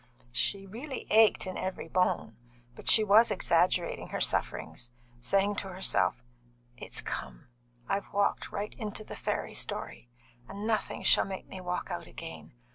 She really ached in every bone, but she was exaggerating her sufferings, saying to herself: "It's come! I've walked right into the fairy story, and nothing shall make me walk out again.